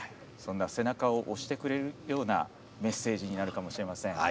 そんな背中を押してくれるようなメッセージになるかもしれません。